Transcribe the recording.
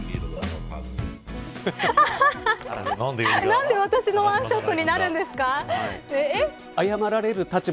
なんで私のワンショットになるんですか。